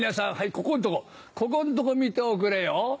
ここんとこここんとこ見ておくれよ。